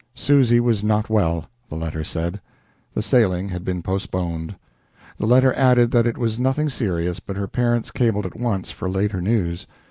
Susy was not well, the letter said; the sailing had been postponed. The letter added that it was nothing serious, but her parents cabled at once for later news.